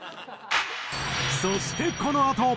そしてこのあと。